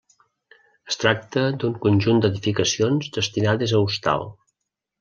Es tracta d'un conjunt d'edificacions destinades a hostal.